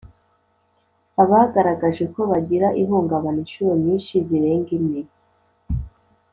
abagaragaje ko bagira ihungabana inshuro nyinshi zirenga imwe